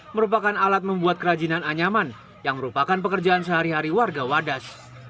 merupakan alat membuat kerajinan anyaman yang merupakan pekerjaan sehari hari warga wadas